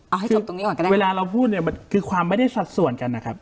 เอาให้จบตรงนี้ก่อนก็ได้เวลาเราพูดเนี่ยมันคือความไม่ได้สัดส่วนกันนะครับ